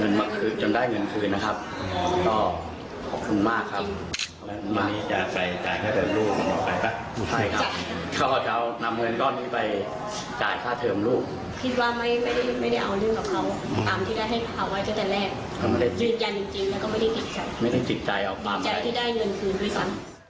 ยืนยันจริงแล้วก็ไม่ได้ติดใจติดใจที่ได้เงินคืนด้วยซ้ำ